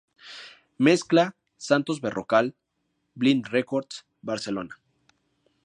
Mezcla Santos Berrocal, Blind Records, Barcelona.